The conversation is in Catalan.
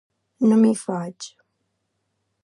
No m'hi faig!